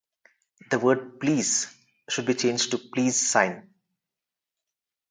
The word "Please" should be changed to "Please sign".